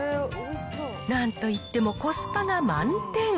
なんといってもコスパが満点。